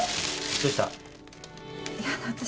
どうした？